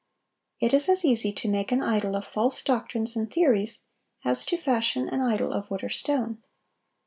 It is as easy to make an idol of false doctrines and theories as to fashion an idol of wood or stone.